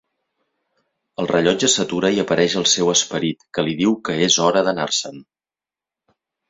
El rellotge s'atura i apareix el seu "esperit", que li diu que "és hora d'anar-se'n".